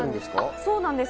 そうなんです。